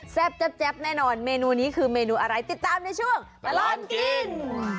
แจ๊บแน่นอนเมนูนี้คือเมนูอะไรติดตามในช่วงตลอดกิน